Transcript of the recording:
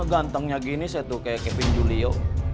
gantengnya gini saya tuh kayak kevin julio